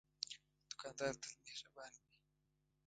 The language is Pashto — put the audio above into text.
دوکاندار تل مهربان وي.